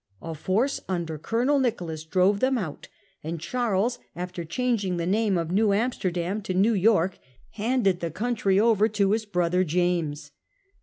A force under Colonel Nicholas drove them out, and Charles, after changing the name of New Amsterdam to New York, handed the country over to his brother James.